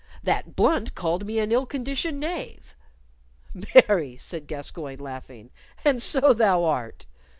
That Blunt called me an ill conditioned knave." "Marry!" said Gascoyne, laughing, "and so thou art."